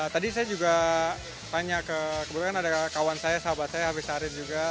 tadi saya juga tanya ke kebetulan ada kawan saya sahabat saya habis arief juga